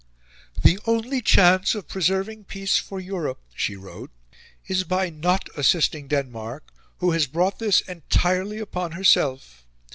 "The only chance of preserving peace for Europe," she wrote, "is by not assisting Denmark, who has brought this entirely upon herself.